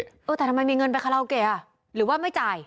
เออแต่ทำไมมีเงินไปคาราโอเกะอ่ะหรือว่าไม่จ่าย